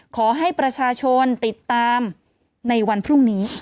ขอให้ประชาชนติดตามในวันพรุ่งนี้